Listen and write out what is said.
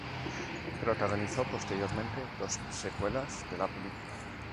Protagonizó, posteriormente, dos secuelas de la película.